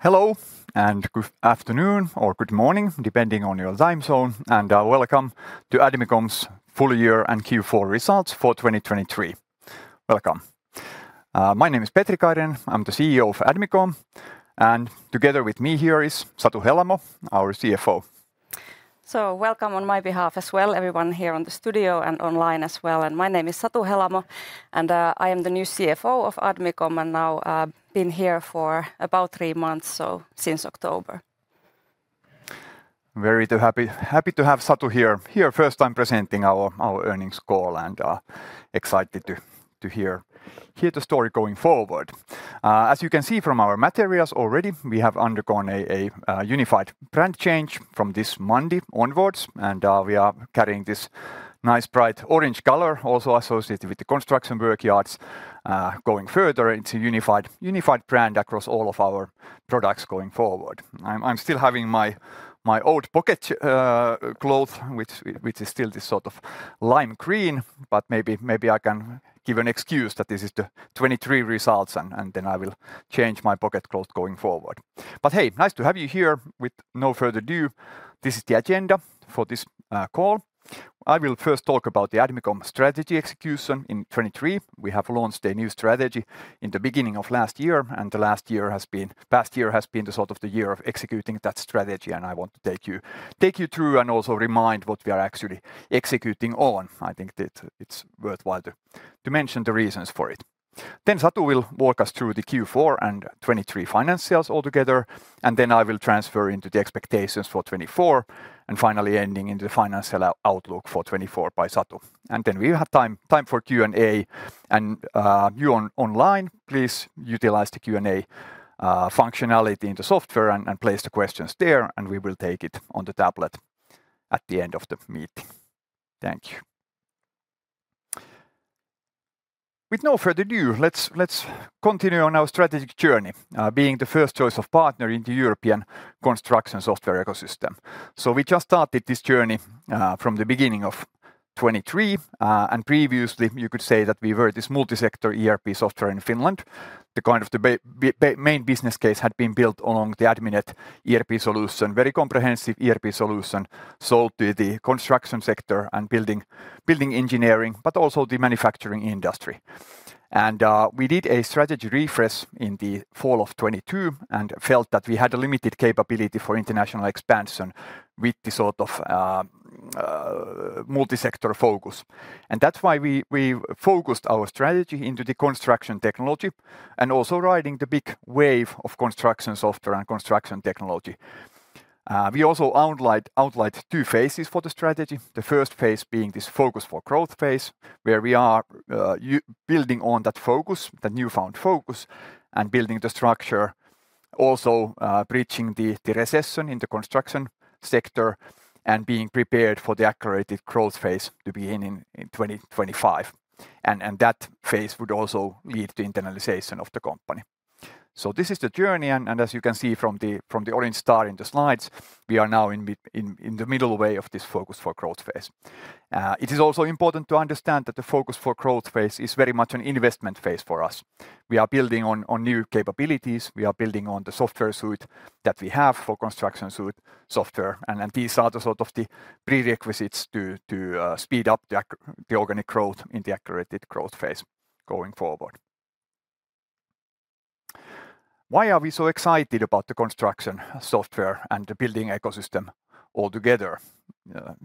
Hello, and good afternoon, or good morning, depending on your time zone, and welcome to Admicom's full year and Q4 results for 2023. Welcome. My name is Petri Kairinen. I'm the CEO of Admicom, and together with me here is Satu Helamo, our CFO. So welcome on my behalf as well, everyone here in the studio and online as well, and my name is Satu Helamo, and I am the new CFO of Admicom, and now I've been here for about three months, so since October. Very happy to have Satu here. Her first time presenting our earnings call and excited to hear the story going forward. As you can see from our materials already, we have undergone a unified brand change from this Monday onwards, and we are carrying this nice, bright orange color also associated with the construction work yards. Going further into unified brand across all of our products going forward. I'm still having my old pocket cloth, which is still this sort of lime green, but maybe I can give an excuse that this is the 2023 results, and then I will change my pocket cloth going forward. But hey, nice to have you here with no further ado, this is the agenda for this call. I will first talk about the Admicom strategy execution in 2023. We have launched a new strategy in the beginning of last year, and the last year has been, past year has been the sort of the year of executing that strategy, and I want to take you, take you through and also remind what we are actually executing on. I think that it's worthwhile to, to mention the reasons for it. Then Satu will walk us through the Q4 and 2023 financials altogether, and then I will transfer into the expectations for 2024, and finally ending in the financial outlook for 2024 by Satu. Then we have time for Q&A, and you online, please utilize the Q&A functionality in the software and place the questions there, and we will take it on the tablet at the end of the meeting. Thank you. With no further ado, let's continue on our strategic journey, being the first choice of partner in the European construction software ecosystem. So we just started this journey from the beginning of 2023, and previously you could say that we were this multi-sector ERP software in Finland. The kind of the main business case had been built along the Adminet ERP solution, very comprehensive ERP solution, sold to the construction sector and building engineering, but also the manufacturing industry. We did a strategy refresh in the fall of 2022 and felt that we had a limited capability for international expansion with the sort of multi-sector focus. That's why we focused our strategy into the construction technology and also riding the big wave of construction software and construction technology. We also outlined two phases for the strategy. The first phase being this focus for growth phase, where we are building on that focus, the newfound focus, and building the structure, also bridging the recession in the construction sector and being prepared for the accelerated growth phase to begin in 2025. That phase would also lead to internationalization of the company. So this is the journey, and as you can see from the orange star in the slides, we are now in the middle way of this focus for growth phase. It is also important to understand that the focus for growth phase is very much an investment phase for us. We are building on new capabilities, we are building on the software suite that we have for construction suite software, and then these are the sort of the prerequisites to speed up the organic growth in the accelerated growth phase going forward. Why are we so excited about the construction software and the building ecosystem altogether?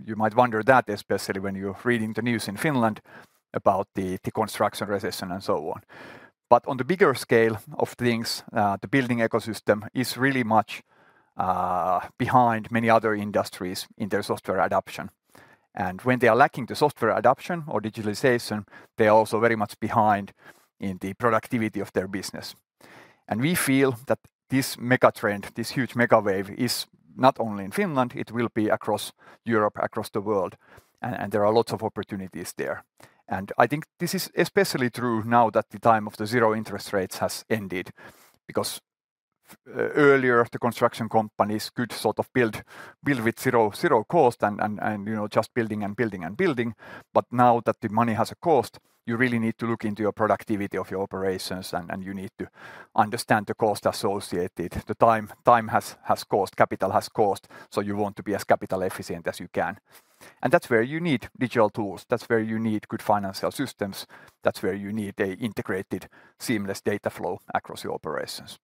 You might wonder that, especially when you're reading the news in Finland about the construction recession and so on. But on the bigger scale of things, the building ecosystem is really much behind many other industries in their software adoption. And when they are lacking the software adoption or digitalization, they are also very much behind in the productivity of their business. And we feel that this mega trend, this huge mega wave, is not only in Finland, it will be across Europe, across the world, and there are lots of opportunities there. And I think this is especially true now that the time of the zero interest rates has ended, because earlier, the construction companies could sort of build, build with zero, zero cost and, you know, just building and building and building. But now that the money has a cost, you really need to look into your productivity of your operations, and you need to understand the cost associated. The time has cost, capital has cost, so you want to be as capital efficient as you can. And that's where you need digital tools. That's where you need good financial systems. That's where you need a integrated, seamless data flow across your operations.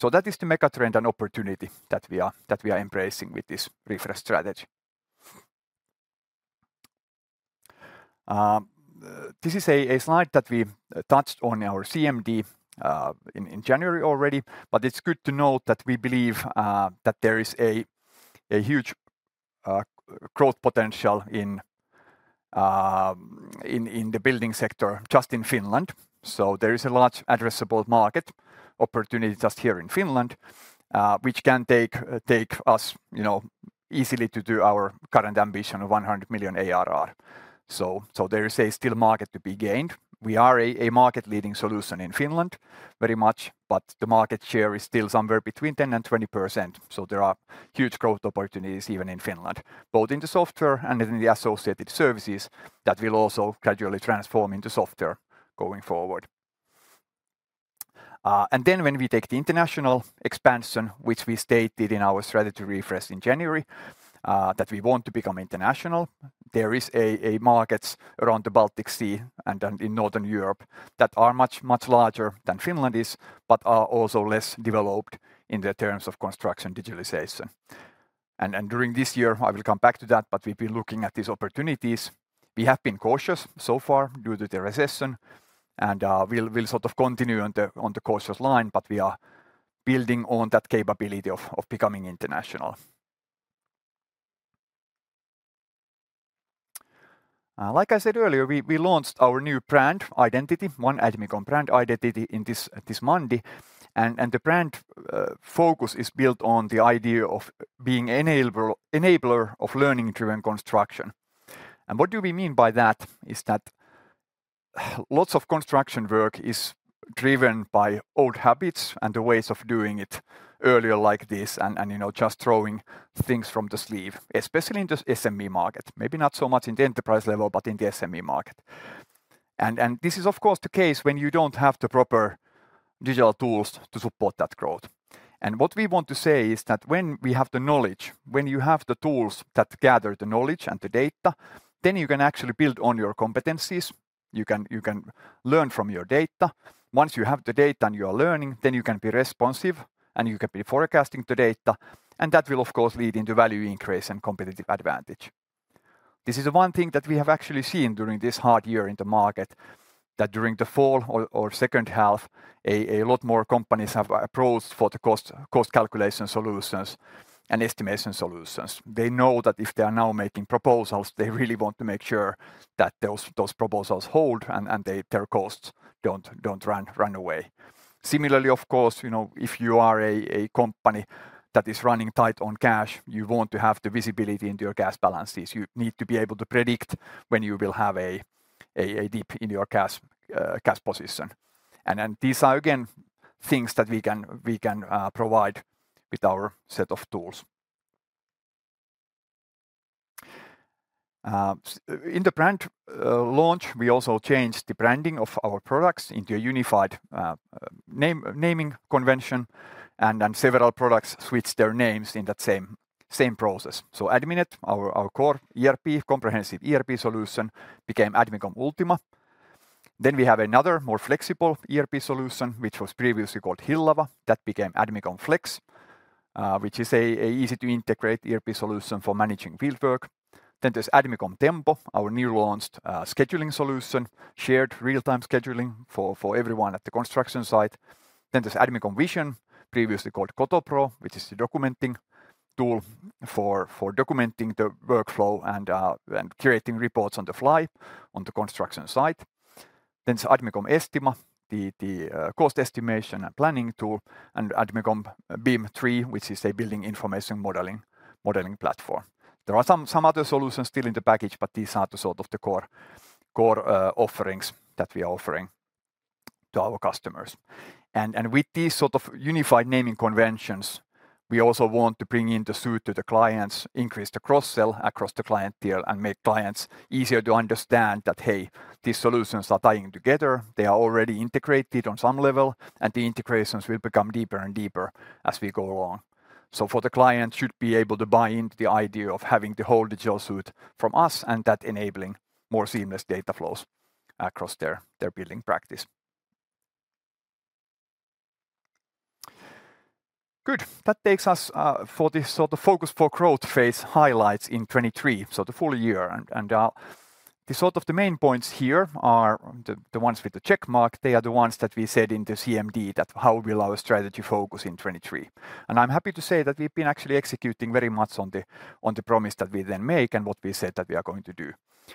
So that is the mega trend and opportunity that we are embracing with this refresh strategy. This is a slide that we touched on our CMD in January already, but it's good to note that we believe that there is a huge growth potential in the building sector, just in Finland. So there is a large addressable market opportunity just here in Finland, which can take us, you know, easily to do our current ambition of 100 million ARR. So there is still a market to be gained. We are a market-leading solution in Finland, very much, but the market share is still somewhere between 10%-20%. So there are huge growth opportunities even in Finland, both in the software and in the associated services that will also gradually transform into software going forward. And then when we take the international expansion, which we stated in our strategy refresh in January, that we want to become international. There are markets around the Baltic Sea and then in Northern Europe that are much, much larger than Finland is, but are also less developed in terms of construction digitalization. And during this year, I will come back to that, but we've been looking at these opportunities. We have been cautious so far due to the recession, and we'll sort of continue on the cautious line, but we are building on that capability of becoming international. Like I said earlier, we launched our new brand identity, one Admicom brand identity, in this Monday, and the brand focus is built on the idea of being enabler of learning-driven construction. And what do we mean by that? Lots of construction work is driven by old habits and the ways of doing it earlier like this, and you know, just throwing things from the sleeve, especially in the SME market. Maybe not so much in the enterprise level, but in the SME market. And this is of course the case when you don't have the proper digital tools to support that growth. What we want to say is that when we have the knowledge, when you have the tools that gather the knowledge and the data, then you can actually build on your competencies. You can, you can learn from your data. Once you have the data and you are learning, then you can be responsive, and you can be forecasting the data, and that will of course lead into value increase and competitive advantage. This is the one thing that we have actually seen during this hard year in the market, that during the fall or second half, a lot more companies have approached for the cost calculation solutions and estimation solutions. They know that if they are now making proposals, they really want to make sure that those proposals hold and their costs don't run away. Similarly, of course, you know, if you are a company that is running tight on cash, you want to have the visibility into your cash balances. You need to be able to predict when you will have a dip in your cash position. And then these are again things that we can provide with our set of tools. In the brand launch, we also changed the branding of our products into a unified naming convention, and then several products switched their names in that same process. So Adminet, our core ERP, comprehensive ERP solution, became Admicom Ultima. Then we have another more flexible ERP solution, which was previously called Hillava. That became Admicom Flex, which is an easy-to-integrate ERP solution for managing field work. Then there's Admicom Tempo, our new launched scheduling solution, shared real-time scheduling for everyone at the construction site. Then there's Admicom Vision, previously called Kotopro, which is the documenting tool for documenting the workflow and creating reports on the fly on the construction site. Then Admicom Estima, the cost estimation and planning tool, and Admicom BIM3, which is a building information modeling platform. There are some other solutions still in the package, but these are the sort of the core offerings that we are offering to our customers. And with these sort of unified naming conventions, we also want to bring in the suite to the clients, increase the cross-sell across the client deal, and make clients easier to understand that, hey, these solutions are tying together. They are already integrated on some level, and the integrations will become deeper and deeper as we go along. So for the client, should be able to buy into the idea of having the whole digital suite from us, and that enabling more seamless data flows across their building practice. Good! That takes us for this sort of focus for growth phase highlights in 2023, so the full year. And the sort of the main points here are the ones with the check mark. They are the ones that we said in the CMD, that how will our strategy focus in 2023. And I'm happy to say that we've been actually executing very much on the promise that we then make and what we said that we are going to do.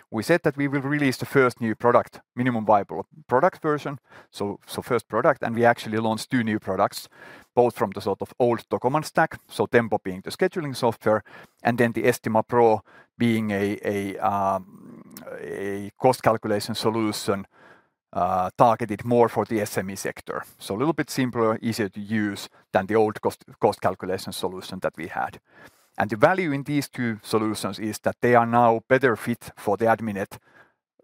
We said that we will release the first new product, minimum viable product version, so first product, and we actually launched two new products, both from the sort of old document stack. So Tempo being the scheduling software, and then the Estima Pro being a cost calculation solution targeted more for the SME sector. So a little bit simpler, easier to use than the old cost calculation solution that we had. And the value in these two solutions is that they are now better fit for the Adminet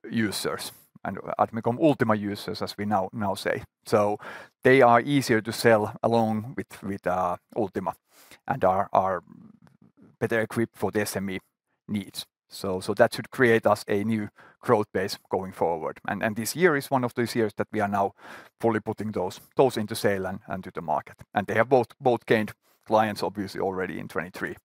users, and Admicom Ultima users, as we now say. So they are easier to sell along with Ultima and are better equipped for the SME needs. So that should create us a new growth base going forward. This year is one of those years that we are now fully putting those into sale and to the market, and they have both gained clients, obviously, already in 2023.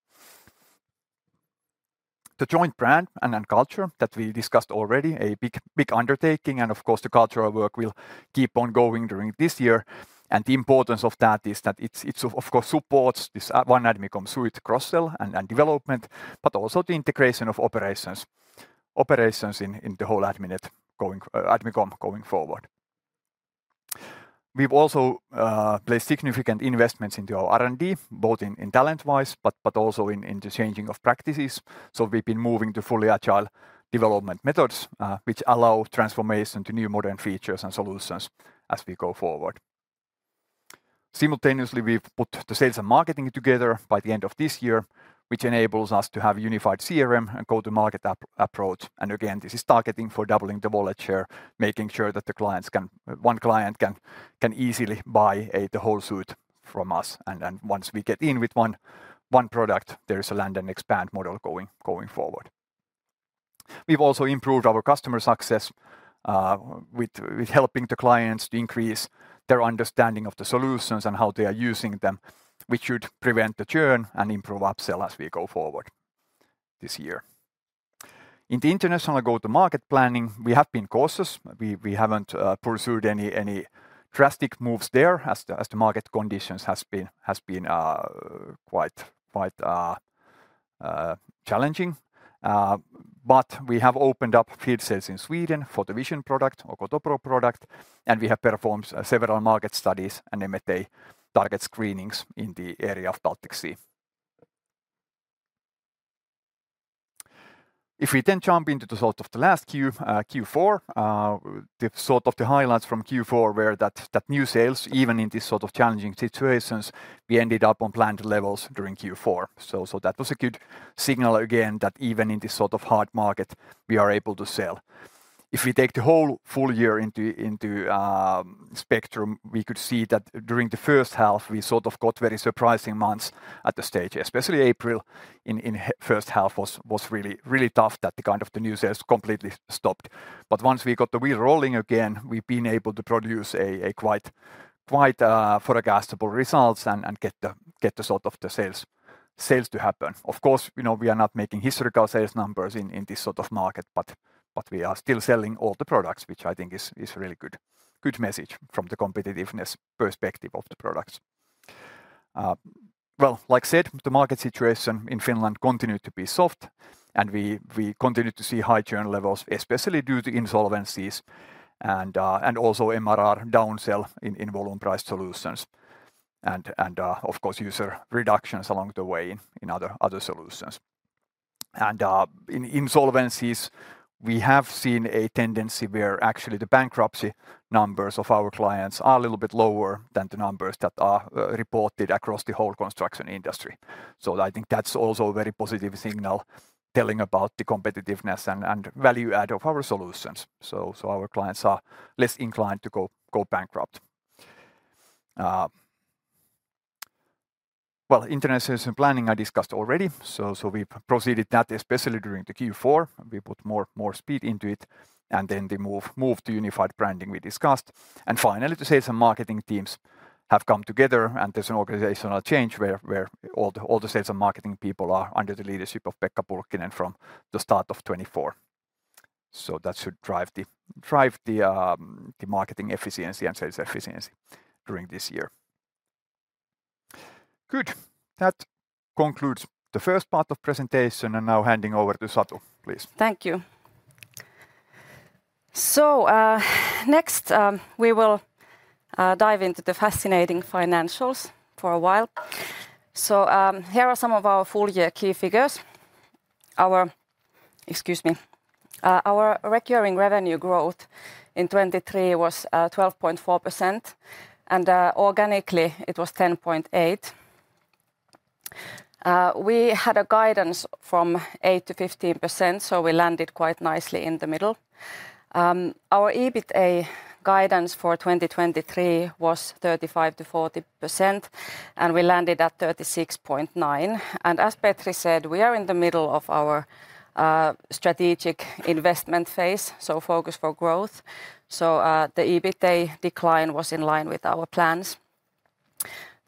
The joint brand and culture that we discussed already, a big undertaking, and of course, the cultural work will keep on going during this year. The importance of that is that it's of course supports this one Admicom suite cross-sell and development, but also the integration of operations in the whole Adminet going... Admicom going forward. We've also placed significant investments into our R&D, both in talent-wise, but also in the changing of practices. So we've been moving to fully agile development methods, which allow transformation to new modern features and solutions as we go forward. Simultaneously, we've put the sales and marketing together by the end of this year, which enables us to have unified CRM and go-to-market approach. And again, this is targeting for doubling the wallet share, making sure that one client can easily buy the whole suite from us. And then once we get in with one product, there is a land-and-expand model going forward. We've also improved our customer success with helping the clients to increase their understanding of the solutions and how they are using them, which should prevent the churn and improve upsell as we go forward this year. In the international go-to-market planning, we have been cautious. We haven't pursued any drastic moves there as the market conditions has been quite challenging. But we have opened up field sales in Sweden for the Vision product or Koto Pro product, and we have performed several market studies and M&A target screenings in the area of Baltic Sea. If we then jump into the results of the last Q, Q4, the sort of the highlights from Q4 were that new sales, even in these sort of challenging situations, we ended up on planned levels during Q4. So that was a good signal again, that even in this sort of hard market, we are able to sell. If we take the whole full year into spectrum, we could see that during the first half, we sort of got very surprising months at the stage, especially April first half was really tough that the kind of the new sales completely stopped. But once we got the wheel rolling again, we've been able to produce a quite forecastable results and get the sales to happen. Of course, you know, we are not making historical sales numbers in this sort of market, but we are still selling all the products, which I think is really good message from the competitiveness perspective of the products. Well, like I said, the market situation in Finland continued to be soft, and we continued to see high churn levels, especially due to insolvencies and also MRR downsell in volume price solutions and, of course, user reductions along the way in other solutions. And, in insolvencies, we have seen a tendency where actually the bankruptcy numbers of our clients are a little bit lower than the numbers that are, reported across the whole construction industry. So I think that's also a very positive signal, telling about the competitiveness and value add of our solutions. So, our clients are less inclined to go bankrupt. Well, internationalization planning I discussed already. So, we proceeded that, especially during the Q4. We put more speed into it, and then the move to unified branding we discussed. And finally, the sales and marketing teams have come together, and there's an organizational change where all the sales and marketing people are under the leadership of Pekka Pulkkinen from the start of 2024. So that should drive the marketing efficiency and sales efficiency during this year. Good. That concludes the first part of presentation, and now handing over to Satu, please. Thank you. Next, we will dive into the fascinating financials for a while. Here are some of our full-year key figures. Our recurring revenue growth in 2023 was 12.4%, and organically, it was 10.8%. We had a guidance from 8%-15%, so we landed quite nicely in the middle. Our EBITA guidance for 2023 was 35%-40%, and we landed at 36.9%. And as Petri said, we are in the middle of our strategic investment phase, so focus for growth. The EBITA decline was in line with our plans.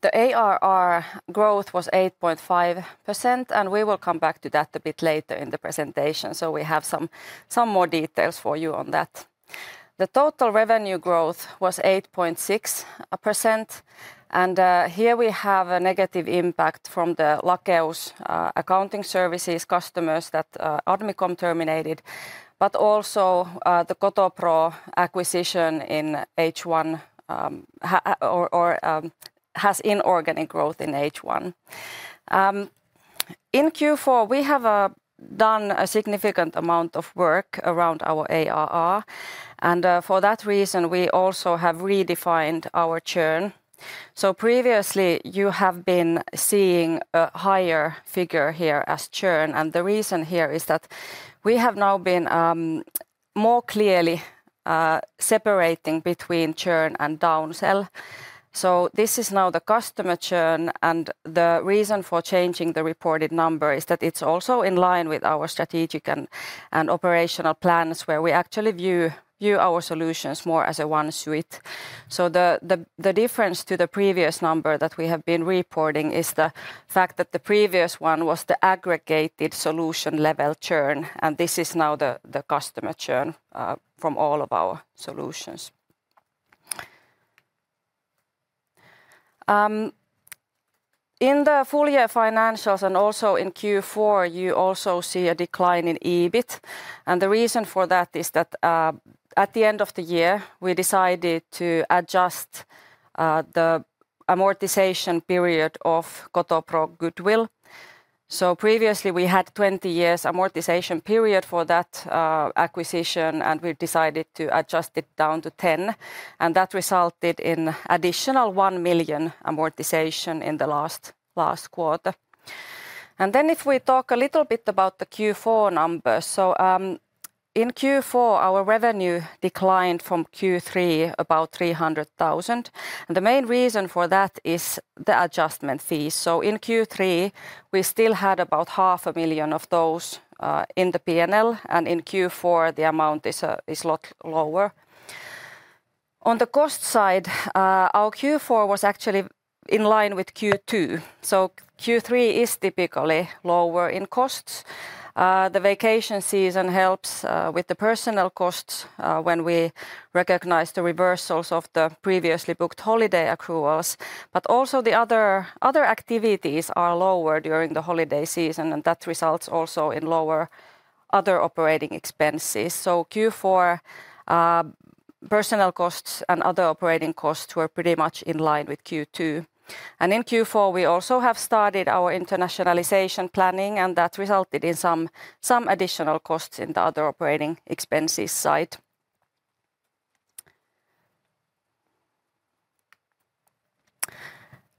The ARR growth was 8.5%, and we will come back to that a bit later in the presentation, so we have some more details for you on that. The total revenue growth was 8.6%, and here we have a negative impact from the Lakeus accounting services customers that Admicom terminated, but also the Koto Pro acquisition in H1 has inorganic growth in H1. In Q4, we have done a significant amount of work around our ARR, and for that reason, we also have redefined our churn. So previously, you have been seeing a higher figure here as churn, and the reason here is that we have now been more clearly separating between churn and downsell. So this is now the customer churn, and the reason for changing the reported number is that it's also in line with our strategic and operational plans, where we actually view our solutions more as a one suite. So the difference to the previous number that we have been reporting is the fact that the previous one was the aggregated solution-level churn, and this is now the customer churn from all of our solutions. In the full-year financials and also in Q4, you also see a decline in EBIT, and the reason for that is that at the end of the year, we decided to adjust the amortization period of Koto Pro goodwill. So previously, we had 20 years amortization period for that acquisition, and we've decided to adjust it down to 10, and that resulted in additional 1 million amortization in the last quarter. And then if we talk a little bit about the Q4 numbers. So, in Q4, our revenue declined from Q3 about 300,000, and the main reason for that is the adjustment fees. So in Q3, we still had about 500,000 of those in the PNL, and in Q4, the amount is lot lower. On the cost side, our Q4 was actually in line with Q2. So Q3 is typically lower in costs. The vacation season helps with the personnel costs when we recognize the reversals of the previously booked holiday accruals. But also the other activities are lower during the holiday season, and that results also in lower other operating expenses. So Q4, personnel costs and other operating costs were pretty much in line with Q2. In Q4, we also have started our internationalization planning, and that resulted in some additional costs in the other operating expenses side.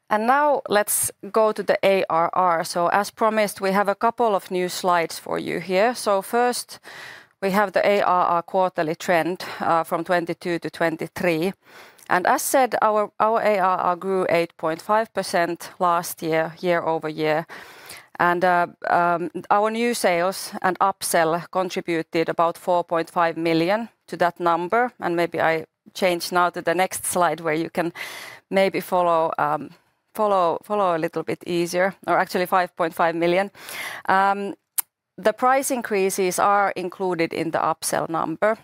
Now let's go to the ARR. So as promised, we have a couple of new slides for you here. So first, we have the ARR quarterly trend from 2022 to 2023. And as said, our ARR grew 8.5% last year year-over-year. Our new sales and upsell contributed about 4.5 million to that number. And maybe I change now to the next slide, where you can maybe follow a little bit easier, or actually 5.5 million. The price increases are included in the upsell number.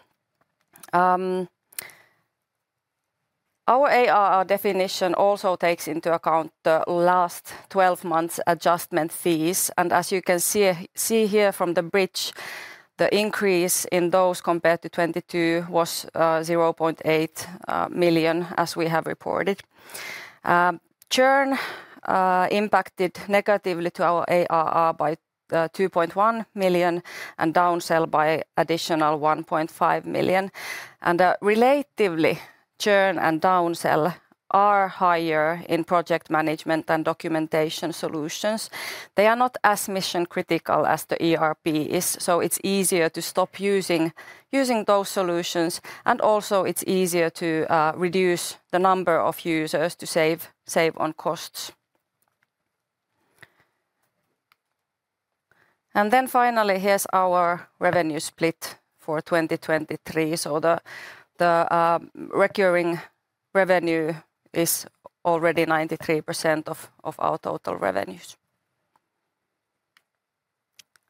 Our ARR definition also takes into account the last 12 months adjustment fees, and as you can see here from the bridge, the increase in those compared to 2022 was 0.8 million, as we have reported. Churn impacted negatively to our ARR by 2.1 million and downsell by additional 1.5 million. And relatively, churn and downsell are higher in project management than documentation solutions. They are not as mission-critical as the ERP is, so it's easier to stop using those solutions, and also it's easier to reduce the number of users to save on costs. And then finally, here's our revenue split for 2023. So the recurring revenue is already 93% of our total revenues.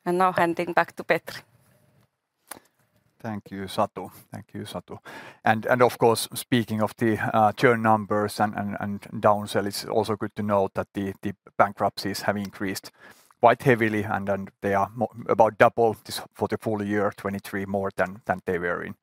And now handing back to Petri. Thank you, Satu. Thank you, Satu. And of course, speaking of the churn numbers and downsell, it's also good to note that the bankruptcies have increased quite heavily, and then they are about double for the full year 2023, more than they were in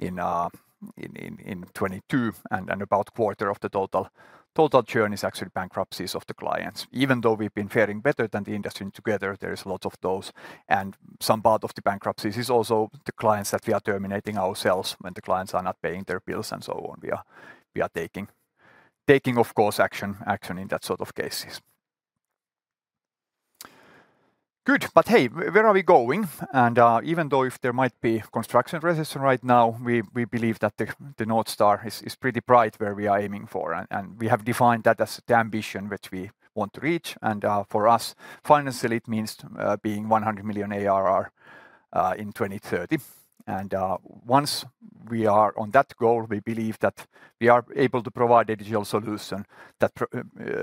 2022. And about quarter of the total churn is actually bankruptcies of the clients. Even though we've been faring better than the industry together, there is lots of those, and some part of the bankruptcies is also the clients that we are terminating ourselves when the clients are not paying their bills and so on. We are taking of course action in that sort of cases. Good! But hey, where are we going? Even though if there might be construction recession right now, we believe that the North Star is pretty bright where we are aiming for, and we have defined that as the ambition which we want to reach. For us, financially, it means being 100 million ARR in 2030. Once we are on that goal, we believe that we are able to provide a digital solution that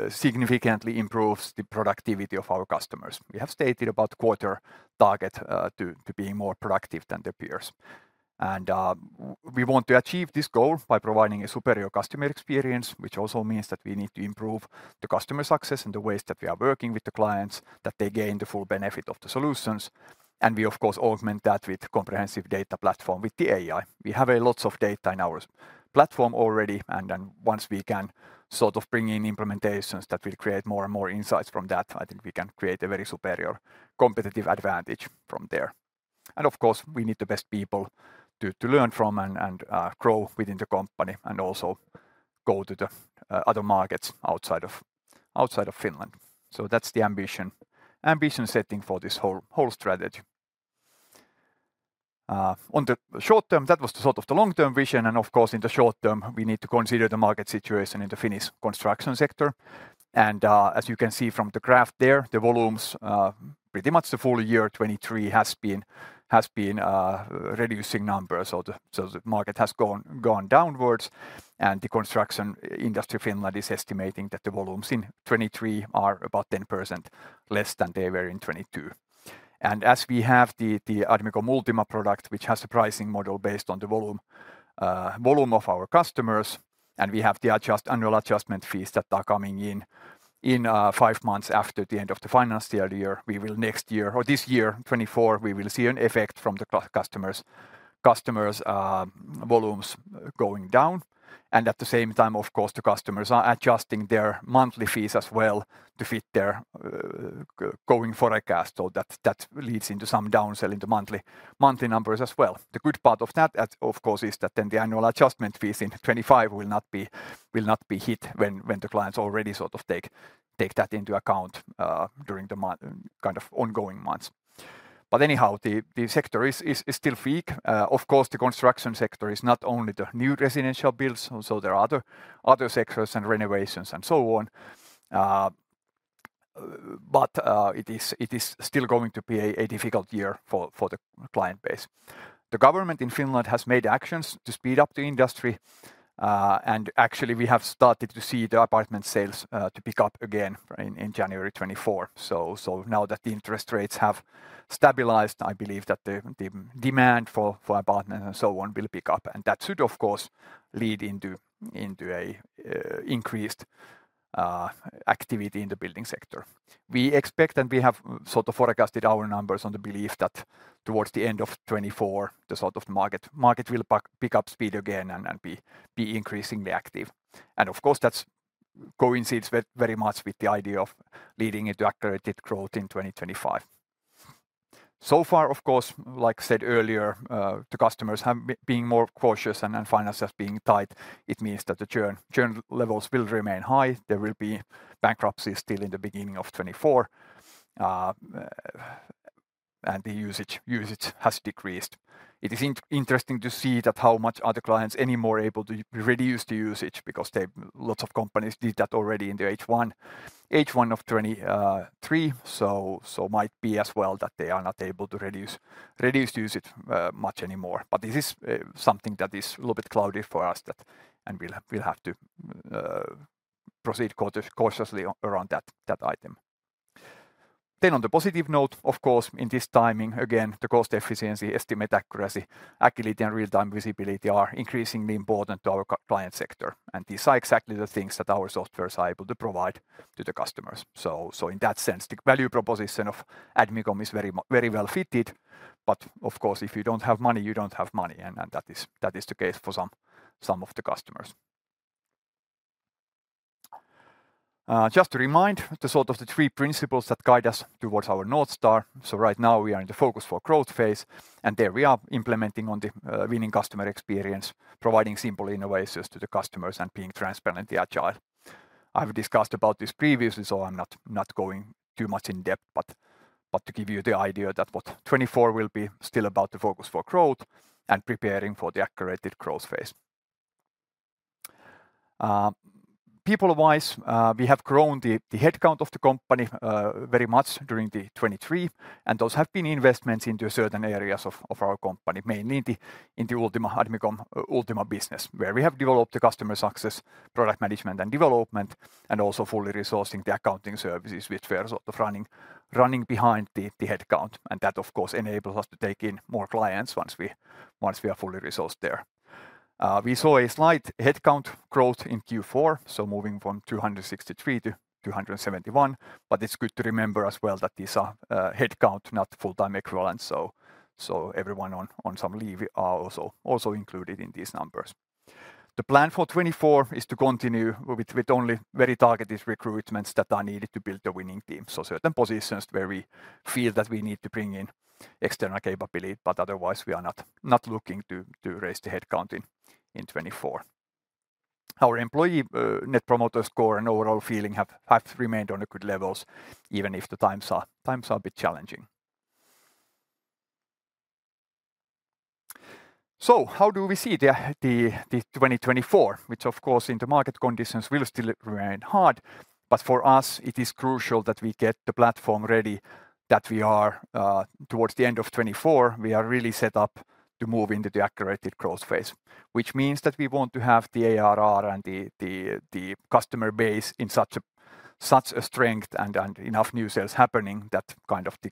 significantly improves the productivity of our customers. We have stated about quarter target to being more productive than their peers. We want to achieve this goal by providing a superior customer experience, which also means that we need to improve the customer success and the ways that we are working with the clients, that they gain the full benefit of the solutions. We, of course, augment that with a comprehensive data platform with the AI. We have a lot of data in our platform already, and then once we can sort of bring in implementations that will create more and more insights from that, I think we can create a very superior competitive advantage from there. And of course, we need the best people to learn from and grow within the company and also go to the other markets outside of Finland. So that's the ambition setting for this whole strategy. On the short term, that was the sort of the long-term vision, and of course, in the short term, we need to consider the market situation in the Finnish construction sector. As you can see from the graph there, the volumes pretty much the full year 2023 has been reducing numbers, so the market has gone downwards. The construction industry, Finland, is estimating that the volumes in 2023 are about 10% less than they were in 2022. As we have the Admicom Ultima product, which has a pricing model based on the volume of our customers and we have the annual adjustment fees that are coming in. In five months after the end of the financial year, we will next year or this year 2024 we will see an effect from the customers. Customers' volumes going down, and at the same time, of course, the customers are adjusting their monthly fees as well to fit their going forecast. So that leads into some downsell in the monthly numbers as well. The good part of that, of course, is that then the annual adjustment fees in 2025 will not be hit when the clients already sort of take that into account during the kind of ongoing months. But anyhow, the sector is still weak. Of course, the construction sector is not only the new residential builds; also there are other sectors and renovations and so on. But it is still going to be a difficult year for the client base. The government in Finland has made actions to speed up the industry, and actually we have started to see the apartment sales to pick up again in January 2024. So now that the interest rates have stabilized, I believe that the demand for apartment and so on will pick up, and that should of course lead into a increased activity in the building sector. We expect, and we have sort of forecasted our numbers on the belief that towards the end of 2024, the sort of market will pick up speed again and be increasingly active. And of course, that coincides very much with the idea of leading into accelerated growth in 2025. So far, of course, like I said earlier, the customers have being more cautious and finances being tight, it means that the churn levels will remain high. There will be bankruptcies still in the beginning of 2024, and the usage has decreased. It is interesting to see that how much are the clients anymore able to reduce the usage because they... Lots of companies did that already in the H1 of 2023. So might be as well that they are not able to reduce usage much anymore. But this is something that is a little bit cloudy for us that, and we'll have to proceed cautiously around that item. Then on the positive note, of course, in this timing, again, the cost efficiency, estimate accuracy, agility, and real-time visibility are increasingly important to our client sector, and these are exactly the things that our softwares are able to provide to the customers. So, in that sense, the value proposition of Admicom is very well fitted, but of course, if you don't have money, you don't have money, and that is the case for some of the customers. Just to remind the sort of the three principles that guide us towards our North Star. So right now we are in the focus for growth phase, and there we are implementing on the winning customer experience, providing simple innovations to the customers and being transparently agile. I've discussed about this previously, so I'm not going too much in depth, but to give you the idea that what 2024 will be still about the focus for growth and preparing for the accelerated growth phase. People-wise, we have grown the headcount of the company very much during 2023, and those have been investments into certain areas of our company, mainly in the Admicom Ultima business, where we have developed the customer success, product management and development, and also fully resourcing the accounting services, which were sort of running behind the headcount. And that, of course, enables us to take in more clients once we are fully resourced there. We saw a slight headcount growth in Q4, so moving from 263 to 271. But it's good to remember as well that these are headcount, not full-time equivalent. So everyone on some leave are also included in these numbers. The plan for 2024 is to continue with only very targeted recruitments that are needed to build the winning team. So certain positions where we feel that we need to bring in external capability, but otherwise we are not looking to raise the headcount in 2024. Our employee net promoter score and overall feeling have remained on the good levels, even if the times are a bit challenging. So how do we see 2024? Which of course, in the market conditions will still remain hard, but for us, it is crucial that we get the platform ready, that we are towards the end of 2024, we are really set up to move into the accelerated growth phase. Which means that we want to have the ARR and the customer base in such a strength and enough new sales happening, that kind of the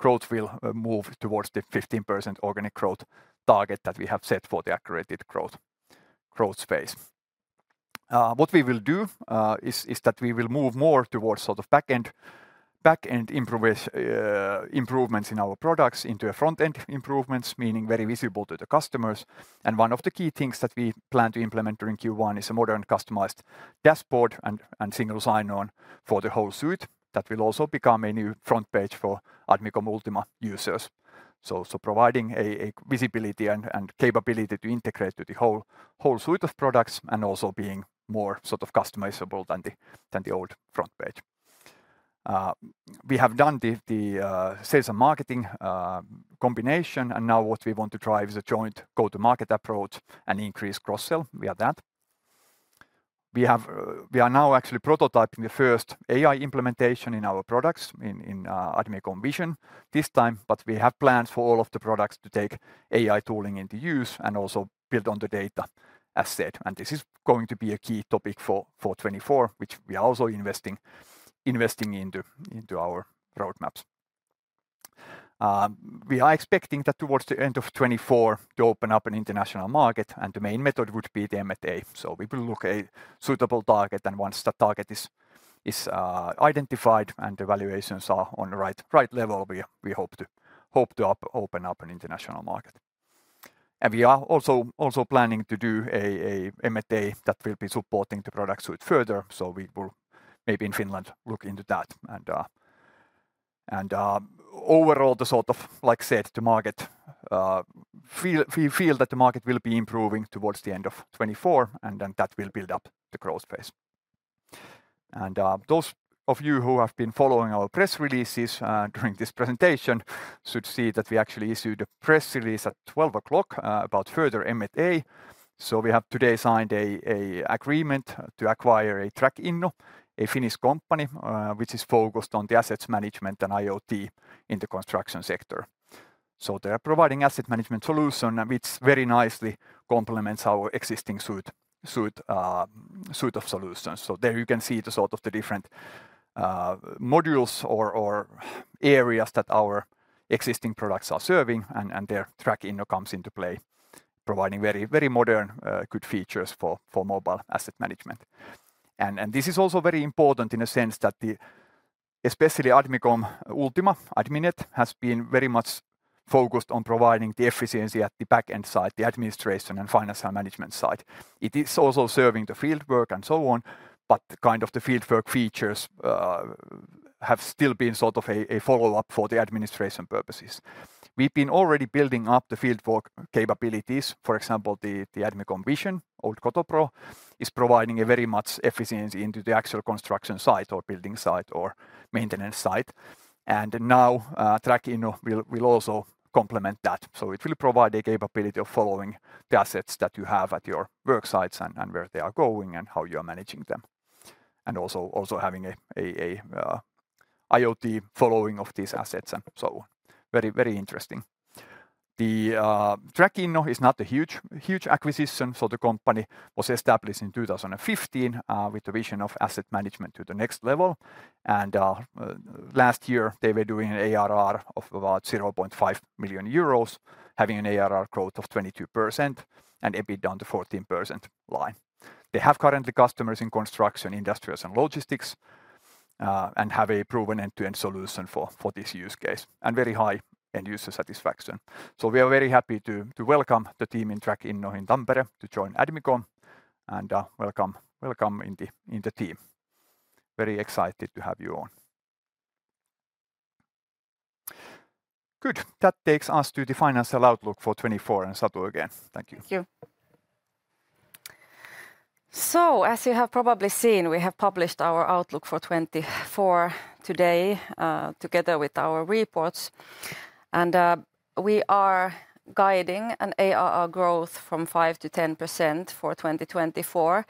growth will move towards the 15% organic growth target that we have set for the accelerated growth phase. What we will do is that we will move more towards sort of back-end improvements in our products into front-end improvements, meaning very visible to the customers. And one of the key things that we plan to implement during Q1 is a modern, customized dashboard and single sign-on for the whole suite. That will also become a new front page for Admicom Ultima users. So providing a visibility and capability to integrate to the whole suite of products and also being more sort of customizable than the old front page. We have done the sales and marketing combination, and now what we want to drive is a joint go-to-market approach and increase cross-sell via that. We are now actually prototyping the first AI implementation in our products in Admicom Vision this time, but we have plans for all of the products to take AI tooling into use and also build on the data asset. And this is going to be a key topic for 2024, which we are also investing into our roadmaps. We are expecting that towards the end of 2024 to open up an international market, and the main method would be the M&A. So we will look for a suitable target, and once the target is identified and the valuations are on the right level, we hope to open up an international market. And we are also planning to do a M&A that will be supporting the product suite further, so we will maybe in Finland look into that. And overall, sort of like I said, we feel that the market will be improving towards the end of 2024, and then that will build up the growth phase. Those of you who have been following our press releases during this presentation should see that we actually issued a press release at 12:00 about further M&A. So we have today signed an agreement to acquire Trackinno, a Finnish company, which is focused on asset management and IoT in the construction sector. So they are providing asset management solution, which very nicely complements our existing suite of solutions. So there you can see the sort of the different modules or areas that our existing products are serving, and there Trackinno comes into play, providing very, very modern good features for mobile asset management. And this is also very important in the sense that the especially Admicom Ultima Adminet has been very much focused on providing the efficiency at the back-end side, the administration and financial management side. It is also serving the fieldwork and so on, but kind of the fieldwork features have still been sort of a follow-up for the administration purposes. We've been already building up the fieldwork capabilities. For example, the Admicom Vision, old Koto Pro, is providing a very much efficiency into the actual construction site or building site or maintenance site. And now Trackinno will also complement that. So it will provide a capability of following the assets that you have at your work sites and where they are going, and how you are managing them. And also having IoT following of these assets and so on. Very, very interesting. The Trackinno is not a huge, huge acquisition, so the company was established in 2015 with the vision of asset management to the next level. And last year, they were doing an ARR of about 0.5 million euros, having an ARR growth of 22% and EBIT down to 14% line. They have currently customers in construction, industrials, and logistics, and have a proven end-to-end solution for this use case, and very high end user satisfaction. So we are very happy to welcome the team in Trackinno in Tampere to join Admicom and welcome in the team. Very excited to have you on. Good. That takes us to the financial outlook for 2024, and Satu again. Thank you. Thank you. So as you have probably seen, we have published our outlook for 2024 today, together with our reports. We are guiding an ARR growth from 5%-10% for 2024.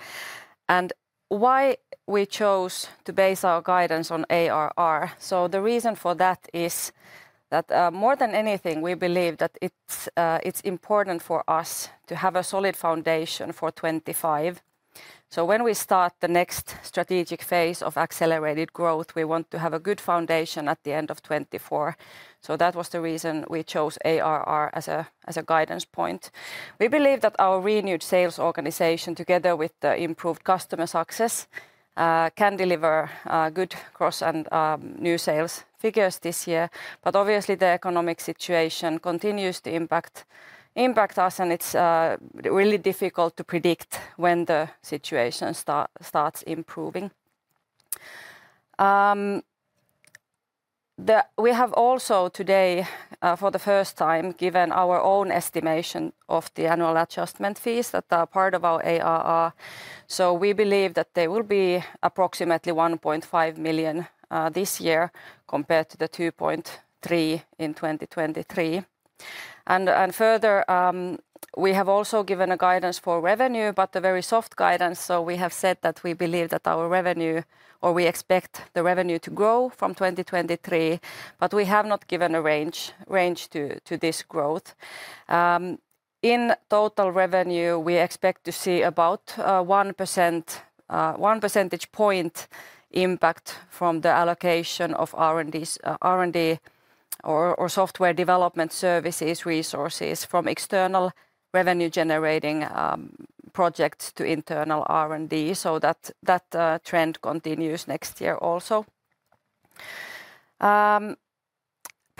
Why we chose to base our guidance on ARR? So the reason for that is that, more than anything, we believe that it's, it's important for us to have a solid foundation for 2025. So when we start the next strategic phase of accelerated growth, we want to have a good foundation at the end of 2024. So that was the reason we chose ARR as a, as a guidance point. We believe that our renewed sales organization, together with the improved customer success, can deliver good cross and new sales figures this year. But obviously, the economic situation continues to impact us, and it's really difficult to predict when the situation starts improving. We have also today, for the first time, given our own estimation of the annual adjustment fees that are part of our ARR. So we believe that they will be approximately 1.5 million this year, compared to the 2.3 million in 2023. And further, we have also given a guidance for revenue, but a very soft guidance. So we have said that we believe that our revenue, or we expect the revenue to grow from 2023, but we have not given a range to this growth. In total revenue, we expect to see about one percentage point impact from the allocation of R&D or software development services resources from external revenue-generating projects to internal R&D, so that trend continues next year also.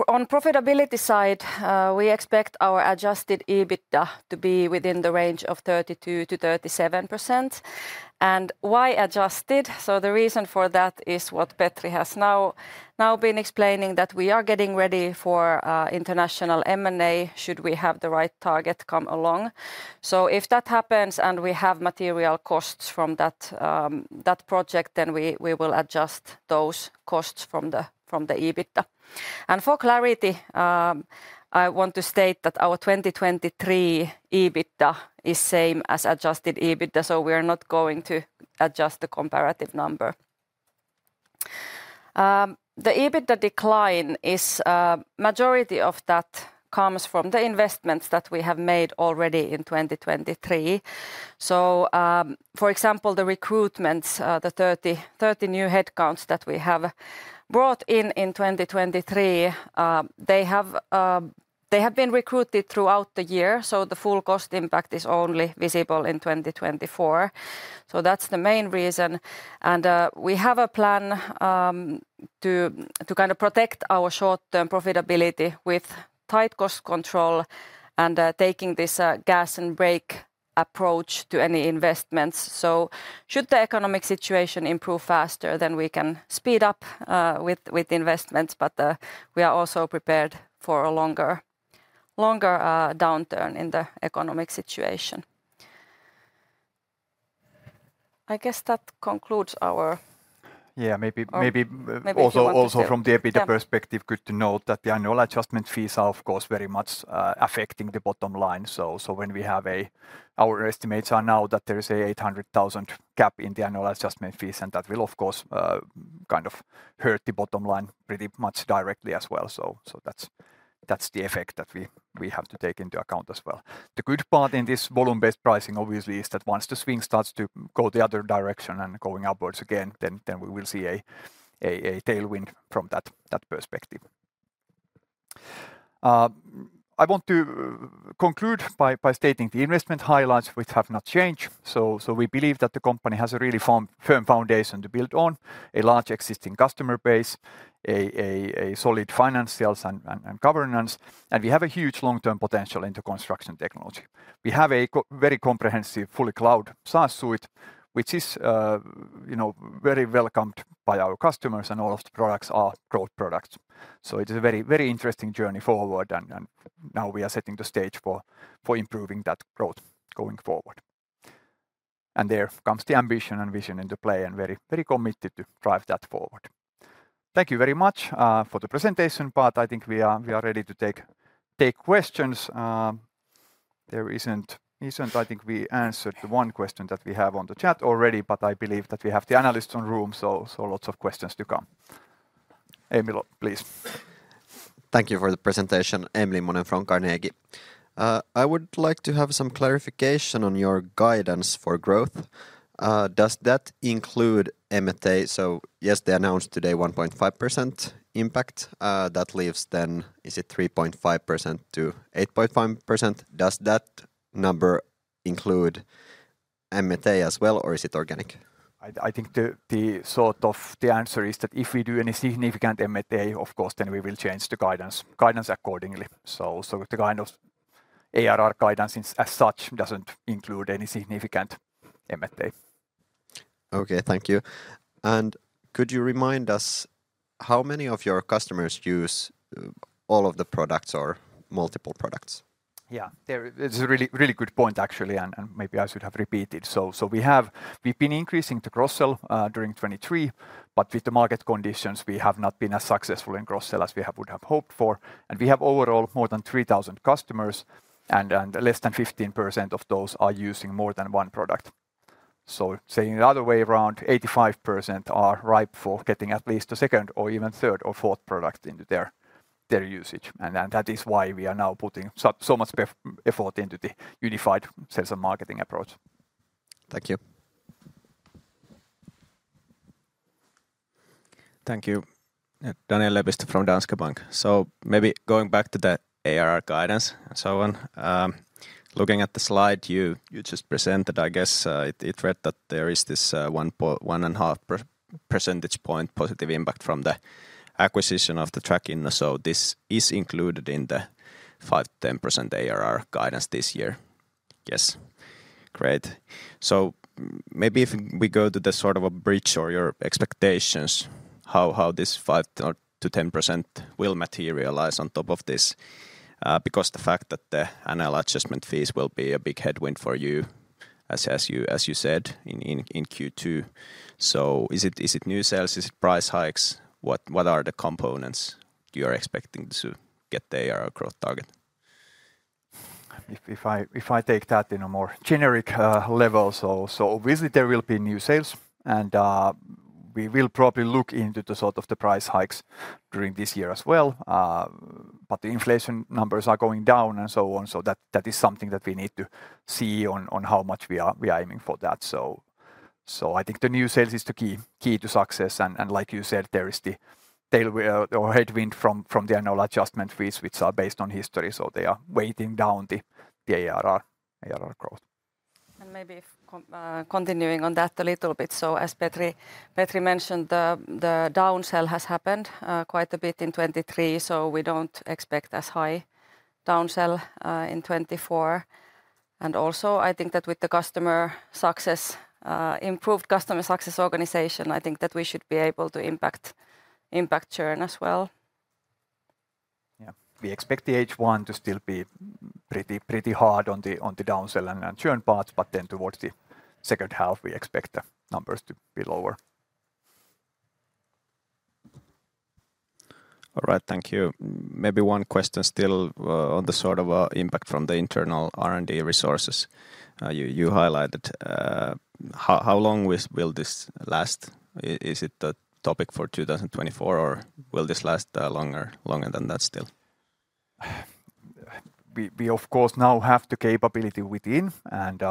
On profitability side, we expect our adjusted EBITDA to be within the range of 32%-37%. Why adjusted? So the reason for that is what Petri has now been explaining, that we are getting ready for international M&A, should we have the right target come along. So if that happens, and we have material costs from that project, then we will adjust those costs from the EBITDA. For clarity, I want to state that our 2023 EBITDA is same as adjusted EBITDA, so we are not going to adjust the comparative number. The EBITDA decline is majority of that comes from the investments that we have made already in 2023. So, for example, the recruitments, the 30 new headcounts that we have brought in in 2023, they have been recruited throughout the year, so the full cost impact is only visible in 2024. So that's the main reason, and we have a plan to kind of protect our short-term profitability with tight cost control and taking this gas and brake approach to any investments. So should the economic situation improve faster, then we can speed up with investments, but we are also prepared for a longer downturn in the economic situation. I guess that concludes our- Yeah, maybe, maybe- Maybe you want to- Also from the EBITDA perspective- Yeah.... good to note that the annual adjustment fees are, of course, very much affecting the bottom line. So when we have our estimates are now that there is an 800,000 gap in the annual adjustment fees, and that will, of course, kind of hurt the bottom line pretty much directly as well. So that's the effect that we have to take into account as well. The good part in this volume-based pricing, obviously, is that once the swing starts to go the other direction and going upwards again, then we will see a tailwind from that perspective. I want to conclude by stating the investment highlights, which have not changed. So we believe that the company has a really firm foundation to build on, a large existing customer base, a solid finance sales and governance, and we have a huge long-term potential into construction technology. We have a very comprehensive, fully cloud SaaS suite, which is, you know, very welcomed by our customers, and all of the products are growth products. So it is a very, very interesting journey forward, and now we are setting the stage for improving that growth going forward. There comes the ambition and vision into play, and very, very committed to drive that forward. Thank you very much for the presentation, but I think we are ready to take questions. I think we answered the one question that we have on the chat already, but I believe that we have the analysts in the room, so, so lots of questions to come. Emil, please. Thank you for the presentation. Emil Mononen from Carnegie. I would like to have some clarification on your guidance for growth. Does that include M&A? So yes, they announced today 1.5% impact. That leaves then, is it 3.5%-8.5%? Does that number include M&A as well, or is it organic? I think the sort of answer is that if we do any significant M&A, of course, then we will change the guidance accordingly. So the kind of ARR guidance as such doesn't include any significant M&A. Okay, thank you. Could you remind us how many of your customers use all of the products or multiple products? Yeah, it's a really, really good point, actually, and maybe I should have repeated. So, we have—we've been increasing the cross-sell during 2023, but with the market conditions, we have not been as successful in cross-sell as we would have hoped for, and we have overall more than 3,000 customers, and less than 15% of those are using more than one product. So saying the other way around, 85% are ripe for getting at least a second or even third or fourth product into their usage, and that is why we are now putting so much effort into the unified sales and marketing approach. Thank you. Thank you. Daniel Lindkvist from Danske Bank. So maybe going back to the ARR guidance and so on, looking at the slide you just presented, I guess, it read that there is this, one and half percentage point positive impact from the acquisition of the Trackinno, so this is included in the 5%-10% ARR guidance this year? Yes. Great. So maybe if we go to the sort of a bridge or your expectations, how this 5%-10% will materialize on top of this? Because the fact that the annual adjustment fees will be a big headwind for you, as you said, in Q2. So is it new sales? Is it price hikes? What are the components you are expecting to get the ARR growth target? If I take that in a more generic level, so obviously there will be new sales, and we will probably look into the sort of the price hikes during this year as well, but the inflation numbers are going down and so on. So that is something that we need to see on how much we are aiming for that. So I think the new sales is the key to success, and like you said, there is the tailwind or headwind from the annual adjustment fees, which are based on history, so they are weighting down the ARR growth. And maybe continuing on that a little bit. So as Petri mentioned, the downsell has happened quite a bit in 2023, so we don't expect as high downsell in 2024. And also, I think that with the customer success improved customer success organization, I think that we should be able to impact churn as well. Yeah. We expect the H1 to still be pretty, pretty hard on the, on the downsell and churn part, but then towards the second half, we expect the numbers to be lower. All right. Thank you. Maybe one question still, on the sort of impact from the internal R&D resources. You highlighted how long will this last? Is it a topic for 2024, or will this last longer than that still? We, of course, now have the capability within, and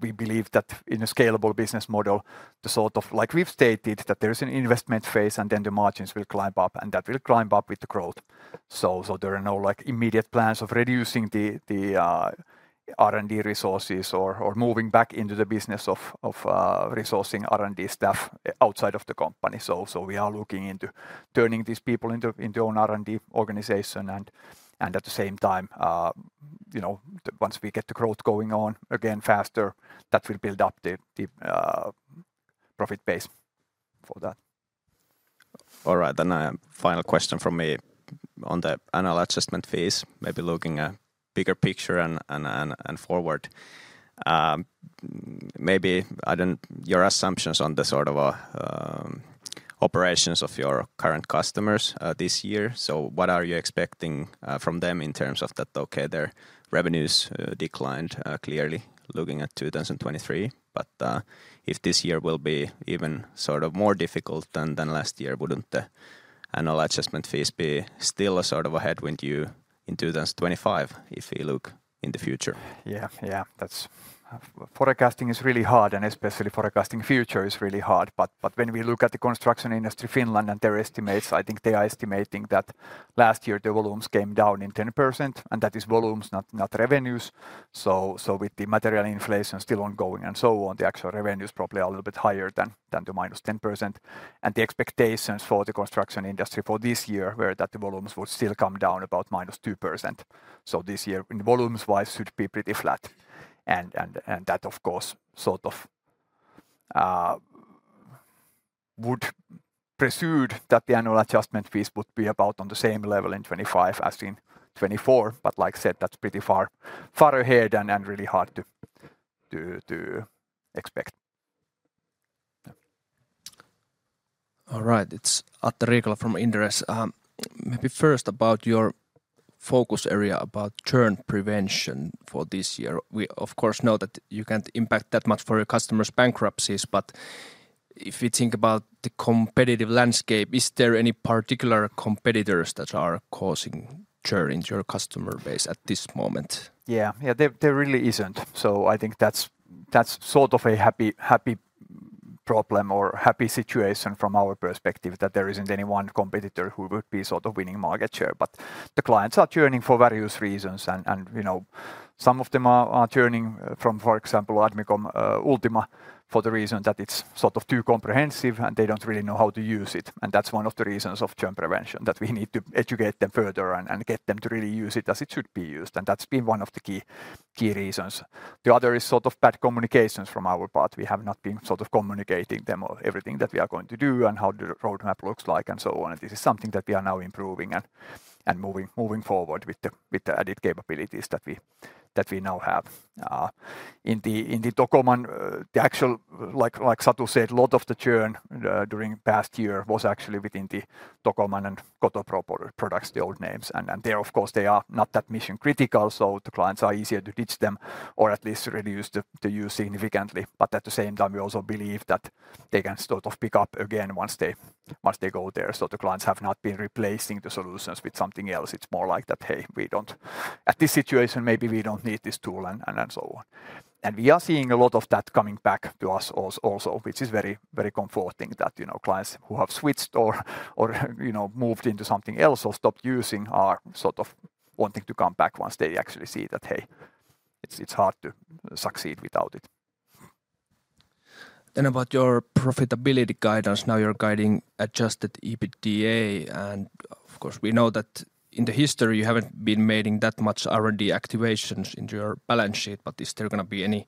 we believe that in a scalable business model, the sort of like we've stated, that there is an investment phase and then the margins will climb up, and that will climb up with the growth. So there are no, like, immediate plans of reducing the R&D resources or moving back into the business of resourcing R&D staff outside of the company. So we are looking into turning these people into own R&D organization and at the same time, you know, once we get the growth going on again faster, that will build up the profit base for that. All right, then, final question from me on the annual adjustment fees. Maybe looking at bigger picture and forward. Maybe I don't... Your assumptions on the sort of operations of your current customers this year. So what are you expecting from them in terms of that? Okay, their revenues declined clearly looking at 2023, but if this year will be even sort of more difficult than last year, wouldn't the annual adjustment fees be still a sort of a headwind you in 2025, if you look in the future? Yeah, yeah, that's forecasting is really hard, and especially forecasting future is really hard. But when we look at the construction industry, Finland, and their estimates, I think they are estimating that last year the volumes came down in 10%, and that is volumes, not revenues. So with the material inflation still ongoing and so on, the actual revenue is probably a little bit higher than the -10%. And the expectations for the construction industry for this year were that the volumes would still come down about -2%. So this year, in volumes wise, should be pretty flat. And that, of course, sort of would pursue that the annual adjustment fees would be about on the same level in 2025 as in 2024. But like I said, that's pretty far, far ahead and really hard to expect. All right. It's Atte Riikola from Inderes. Maybe first about your focus area about churn prevention for this year. We, of course, know that you can't impact that much for your customers' bankruptcies, but if you think about the competitive landscape, is there any particular competitors that are causing churn in your customer base at this moment? Yeah. Yeah, there, there really isn't. So I think that's, that's sort of a happy, happy problem or happy situation from our perspective, that there isn't any one competitor who would be sort of winning market share. But the clients are churning for various reasons, and, and, you know, some of them are, are churning from, for example, Admicom Ultima, for the reason that it's sort of too comprehensive, and they don't really know how to use it. And that's one of the reasons of churn prevention, that we need to educate them further and, and get them to really use it as it should be used, and that's been one of the key, key reasons. The other is sort of bad communications from our part. We have not been sort of communicating them or everything that we are going to do and how the roadmap looks like and so on. This is something that we are now improving and moving forward with the added capabilities that we now have. In the Tocoman, the actual... Like Satu said, a lot of the churn during the past year was actually within the Tocoman and Koto Pro products, the old names. And they, of course, they are not that mission-critical, so the clients are easier to ditch them or at least reduce the use significantly. But at the same time, we also believe that they can sort of pick up again once they go there. So the clients have not been replacing the solutions with something else. It's more like that, "Hey, we don't... At this situation, maybe we don't need this tool," and so on. And we are seeing a lot of that coming back to us also, which is very, very comforting that, you know, clients who have switched or, or, you know, moved into something else or stopped using are sort of wanting to come back once they actually see that, hey, it's, it's hard to succeed without it. Then about your profitability guidance. Now you're guiding adjusted EBITDA, and of course, we know that in the history, you haven't been making that much R&D activations into your balance sheet. But is there gonna be any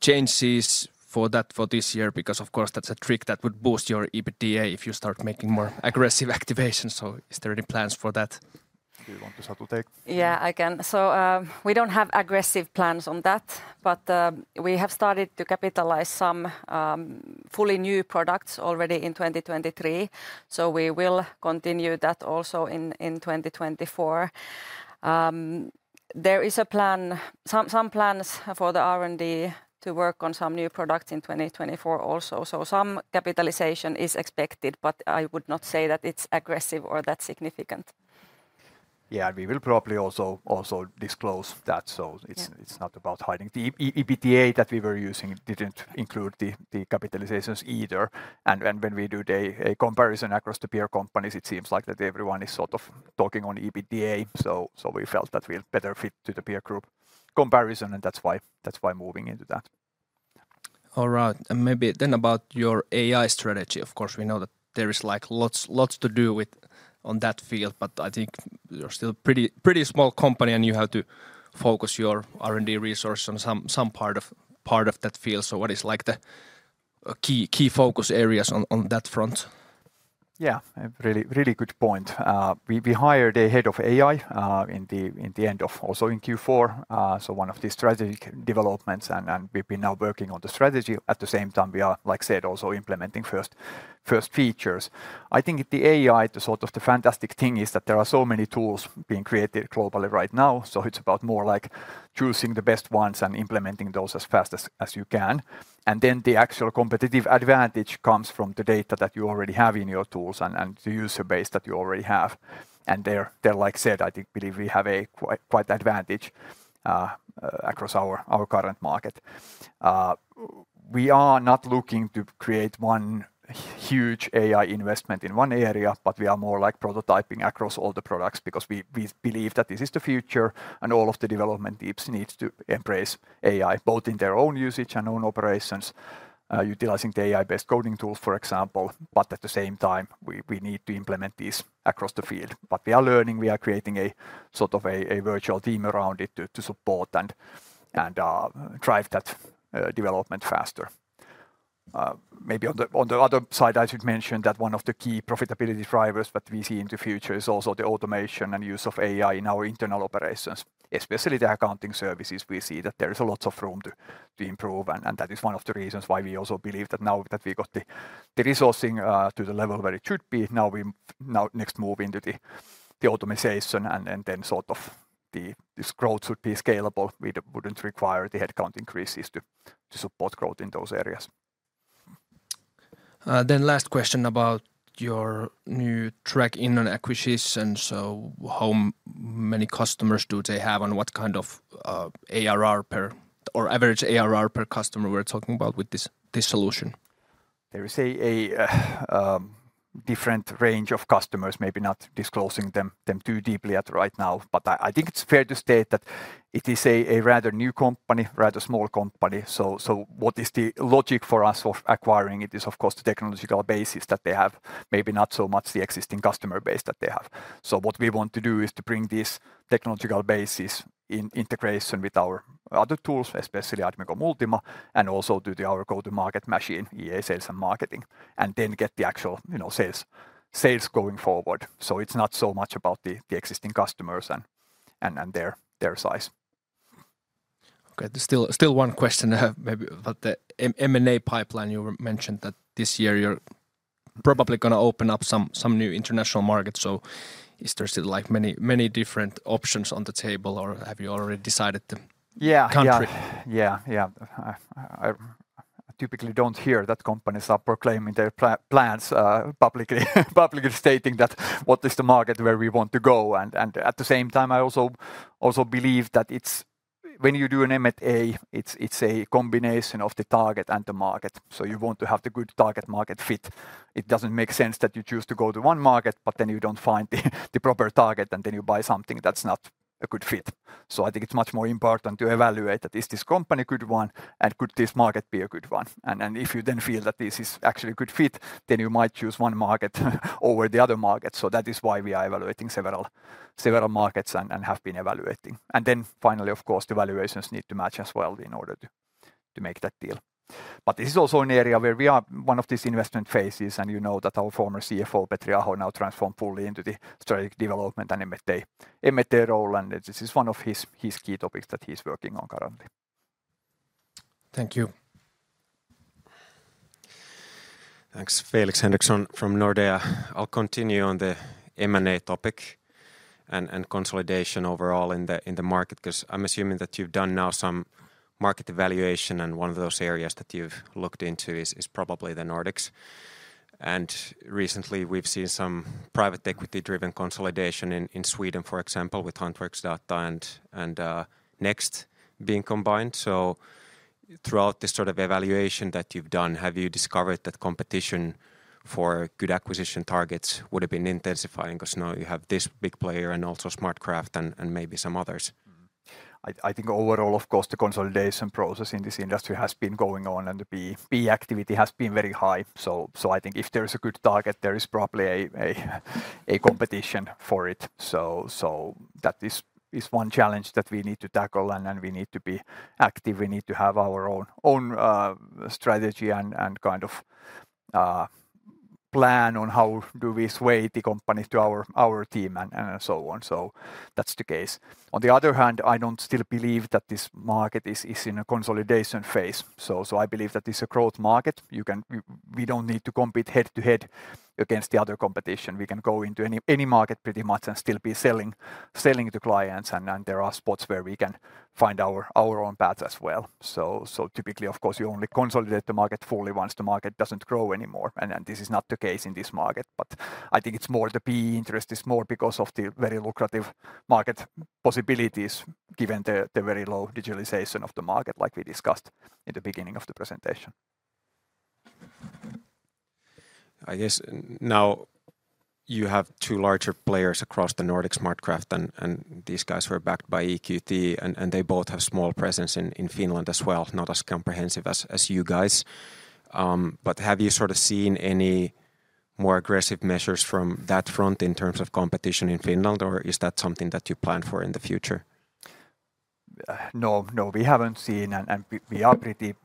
changes for that for this year? Because of course, that's a trick that would boost your EBITDA if you start making more aggressive activations. So is there any plans for that? Do you want to, Satu, take? Yeah, I can. So, we don't have aggressive plans on that, but we have started to capitalize some fully new products already in 2023, so we will continue that also in 2024. There is a plan, some plans for the R&D to work on some new products in 2024 also. So some capitalization is expected, but I would not say that it's aggressive or that significant. Yeah, we will probably also, also disclose that. Yeah. So it's not about hiding. The EBITDA that we were using didn't include the capitalizations either, and when we do a comparison across the peer companies, it seems like that everyone is sort of talking on EBITDA. So we felt that we are better fit to the peer group comparison, and that's why moving into that. All right, and maybe then about your AI strategy. Of course, we know that there is, like, lots to do with on that field, but I think you're still pretty small company, and you have to focus your R&D resource on some part of that field. So what is like the key focus areas on that front? Yeah, a really, really good point. We, we hired a head of AI in the end of also in Q4, so one of the strategic developments, and we've been now working on the strategy. At the same time, we are, like I said, also implementing first features. I think the AI, the sort of the fantastic thing, is that there are so many tools being created globally right now. So it's about more like choosing the best ones and implementing those as fast as you can. And then the actual competitive advantage comes from the data that you already have in your tools and the user base that you already have. And there, like I said, I believe we have a quite advantage across our current market. We are not looking to create one huge AI investment in one area, but we are more like prototyping across all the products because we believe that this is the future, and all of the development teams needs to embrace AI, both in their own usage and own operations, utilizing the AI-based coding tools, for example. But at the same time, we need to implement this across the field. But we are learning, we are creating a sort of a virtual team around it to support and drive that development faster. Maybe on the other side, I should mention that one of the key profitability drivers that we see in the future is also the automation and use of AI in our internal operations, especially the accounting services. We see that there is a lot of room to improve, and that is one of the reasons why we also believe that now that we got the resourcing to the level where it should be, now we next move into the optimization and then sort of this growth should be scalable. We wouldn't require the headcount increases to support growth in those areas. Last question about your new Trackinno acquisition. So how many customers do they have, and what kind of ARR per or average ARR per customer we're talking about with this, this solution? There is a different range of customers, maybe not disclosing them too deeply right now. But I think it's fair to state that it is a rather new company, rather small company. So what is the logic for us of acquiring it is, of course, the technological basis that they have, maybe not so much the existing customer base that they have. So what we want to do is to bring this technological basis in integration with our other tools, especially Admicom Ultima, and also to the our go-to-market machine, i.e. sales and marketing, and then get the actual, you know, sales going forward. So it's not so much about the existing customers and their size. Okay, there's still one question maybe about the M&A pipeline. You mentioned that this year you're probably gonna open up some new international markets. So is there still, like, many, many different options on the table, or have you already decided the country? Yeah, yeah. I typically don't hear that companies are proclaiming their plans publicly, publicly stating that what is the market where we want to go? And at the same time, I also believe that it's... When you do an M&A, it's a combination of the target and the market, so you want to have the good target market fit. It doesn't make sense that you choose to go to one market, but then you don't find the proper target, and then you buy something that's not a good fit. So I think it's much more important to evaluate that is this company a good one, and could this market be a good one? And if you then feel that this is actually a good fit, then you might choose one market over the other market. So that is why we are evaluating several markets and have been evaluating. And then finally, of course, the valuations need to match as well in order to make that deal. But this is also an area where we are one of these investment phases, and you know that our former CFO, Petri Aho, now transformed fully into the strategic development and M&A role, and this is one of his key topics that he's working on currently. Thank you. Thanks. Felix Henriksson from Nordea. I'll continue on the M&A topic and consolidation overall in the market, 'cause I'm assuming that you've done now some market evaluation, and one of those areas that you've looked into is probably the Nordics. And recently we've seen some private equity-driven consolidation in Sweden, for example, with Hantverksdata and Next being combined. So throughout this sort of evaluation that you've done, have you discovered that competition for good acquisition targets would have been intensifying? 'Cause now you have this big player and also SmartCraft and maybe some others. I think overall, of course, the consolidation process in this industry has been going on, and the PE activity has been very high. So I think if there is a good target, there is probably a competition for it. So that is one challenge that we need to tackle, and then we need to be active. We need to have our own strategy and kind of plan on how do we sway the company to our team and so on. So that's the case. On the other hand, I don't still believe that this market is in a consolidation phase. So I believe that it's a growth market. We don't need to compete head-to-head against the other competition. We can go into any market pretty much and still be selling to clients, and then there are spots where we can find our own path as well. So typically, of course, you only consolidate the market fully once the market doesn't grow anymore, and then this is not the case in this market. But I think it's more the PE interest is more because of the very lucrative market possibilities, given the very low digitalization of the market, like we discussed in the beginning of the presentation. I guess now you have two larger players across the Nordic SmartCraft, and these guys were backed by EQT, and they both have small presence in Finland as well, not as comprehensive as you guys. But have you sort of seen any more aggressive measures from that front in terms of competition in Finland, or is that something that you plan for in the future? No, no, we haven't seen, and we are pretty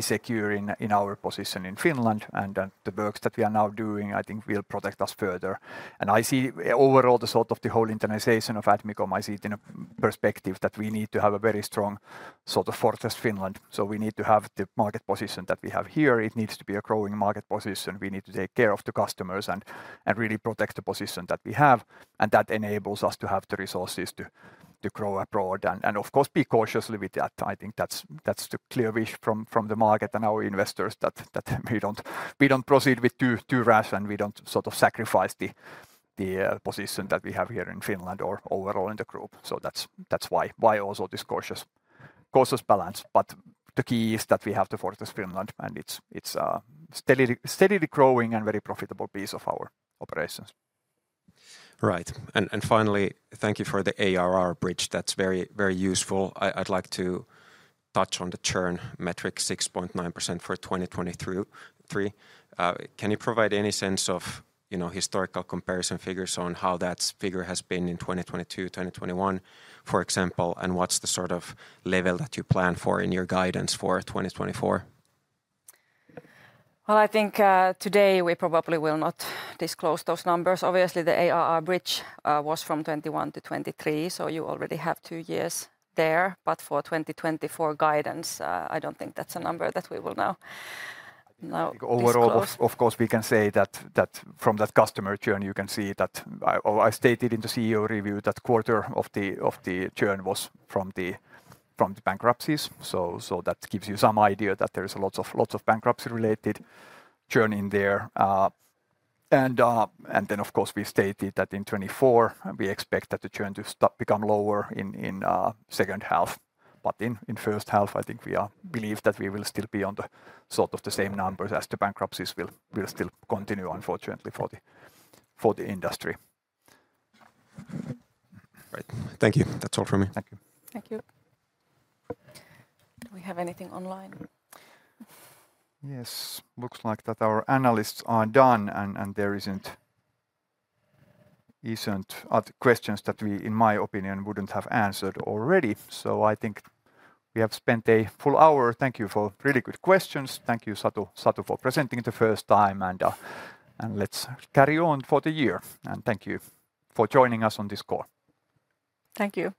secure in our position in Finland, and the works that we are now doing, I think will protect us further. And I see overall the sort of the whole internationalization of Admicom, I see it in a perspective that we need to have a very strong sort of fortress Finland. So we need to have the market position that we have here. It needs to be a growing market position. We need to take care of the customers and really protect the position that we have, and that enables us to have the resources to grow abroad and, of course, be cautiously with that. I think that's the clear wish from the market and our investors that we don't proceed with too rash, and we don't sort of sacrifice the position that we have here in Finland or overall in the group. So that's why also this cautious balance. But the key is that we have the Aitio Finland, and it's steadily growing and very profitable piece of our operations. Right. And finally, thank you for the ARR bridge. That's very, very useful. I'd like to touch on the churn metric, 6.9% for 2023. Can you provide any sense of, you know, historical comparison figures on how that figure has been in 2022, 2021, for example, and what's the sort of level that you plan for in your guidance for 2024? Well, I think today we probably will not disclose those numbers. Obviously, the ARR bridge was from 2021 to 2023, so you already have two years there. But for 2024 guidance, I don't think that's a number that we will now disclose. Overall, of course, we can say that from that customer churn, you can see that I stated in the CEO review that quarter of the churn was from the bankruptcies. So that gives you some idea that there is lots of bankruptcy-related churning there. And then of course, we stated that in 2024, we expect that the churn to stop, become lower in second half. But in first half, I think we believe that we will still be on the sort of the same numbers as the bankruptcies will still continue, unfortunately for the industry. Right. Thank you. That's all for me. Thank you. Thank you. Do we have anything online? Yes. Looks like that our analysts are done, and there isn't other questions that we, in my opinion, wouldn't have answered already. So I think we have spent a full hour. Thank you for really good questions. Thank you, Satu, Satu for presenting the first time, and let's carry on for the year. Thank you for joining us on this call. Thank you.